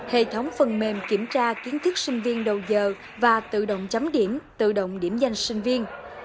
hệ thống phần mềm kiểm tra kiến thức sinh viên đầu giờ và tự động chấm điểm tự động điểm danh sinh viên